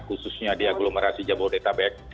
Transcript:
khususnya di aglomerasi jabodetabek